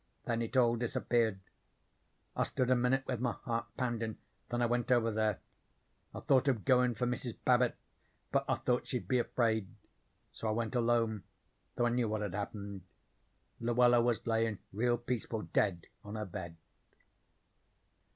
Then it all disappeared. I stood a minute with my heart poundin', then I went over there. I thought of goin' for Mrs. Babbit, but I thought she'd be afraid. So I went alone, though I knew what had happened. Luella was layin' real peaceful, dead on her bed."